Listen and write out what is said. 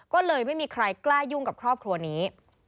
ก็เลยไม่มีใครกล้ายุ่งกับครอบครัวนี้